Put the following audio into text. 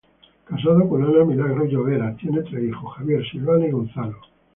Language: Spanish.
Casado con Ana Milagros Lloveras, tiene tres hijos: Javier, Silvana y Gonzalo.